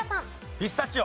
ピスタチオ。